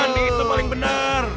di itu paling bener